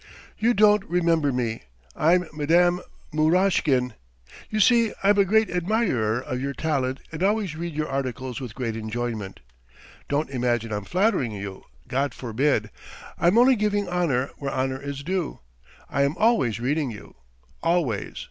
"You don't remember me. ... I'm Mme. Murashkin. ... You see I'm a great admirer of your talent and always read your articles with great enjoyment. ... Don't imagine I'm flattering you God forbid! I'm only giving honour where honour is due. ... I am always reading you ... always!